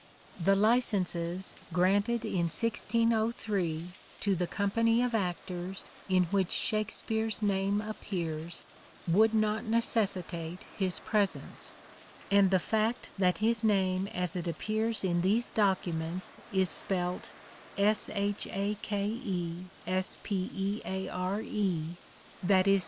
The licenses granted in 1603 to the company of actors in which " Shakespeare's " name appears would not necessitate his presence ; and the fact that his name as it appears in these documents is spelt " S h a k e s p e a r e " (i.e.